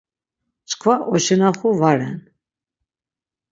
Çkva oşinaxu va ren.